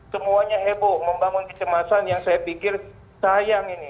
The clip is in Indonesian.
semuanya heboh membangun kecemasan yang saya pikir sayang ini